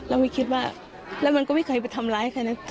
เนื่องจากนี้ไปก็คงจะต้องเข้มแข็งเป็นเสาหลักให้กับทุกคนในครอบครัว